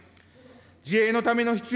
自衛のための必要